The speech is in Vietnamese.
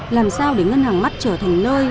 làm sao để ngân hàng mắt trở thành nơi